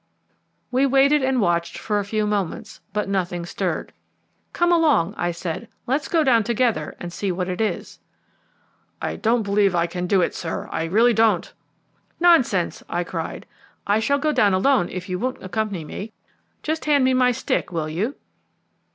We waited and watched for a few moments, but nothing stirred. "Come along," I said, "let us go down together and see what it is." "I don't believe I can do it, sir; I really don't!" "Nonsense," I cried. "I shall go down alone if you won't accompany me. Just hand me my stick, will you?"